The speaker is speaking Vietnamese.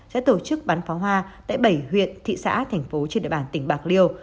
sẽ tổ chức bắn pháo hoa tại bảy huyện thị xã thành phố trên địa bàn tỉnh bạc liêu